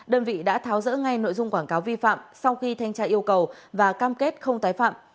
đơn vị đã tháo rỡ ngay nội dung quảng cáo vi phạm sau khi thanh tra yêu cầu và cam kết không tái phạm